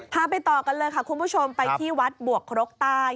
ไปต่อกันเลยค่ะคุณผู้ชมไปที่วัดบวกครกใต้